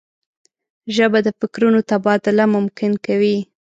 ژبه د فکرونو تبادله ممکن کوي